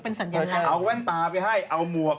งั้นเอาแว่นตาไปให้เอาหมวก